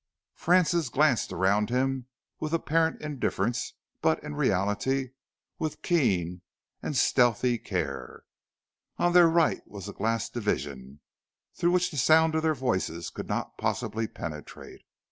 Francis glanced around him with apparent indifference but in reality with keen and stealthy care. On their right was a glass division, through which the sound of their voices could not possibly penetrate.